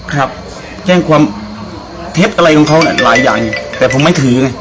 ใช่แจ้งความเทปปลายของเค้าหลายอย่างเนี่ยแต่ผมไม่ถือไง